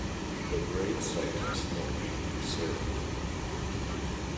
The gravesite has not been preserved.